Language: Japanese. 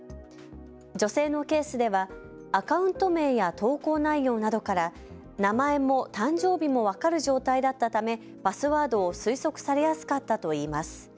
女性のケースではアカウント名や投稿内容などから名前も誕生日も分かる状態だったためパスワードを推測されやすかったといいます。